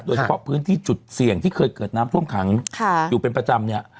โดยเฉพาะพื้นที่จุดเสี่ยงที่เคยเกิดน้ำท่วมขังอยู่เป็นประจำเนี่ย